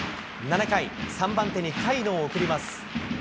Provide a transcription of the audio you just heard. ７回、３番手に甲斐野を送ります。